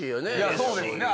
そうですね。